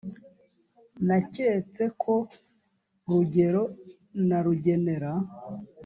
naketse ko rugero na rugenera